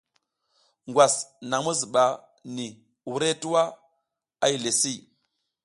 Ngwas naƞ mi zuɓa ni wurehe tuwa a yile si.